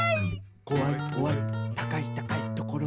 「こわいこわい高い高いところ」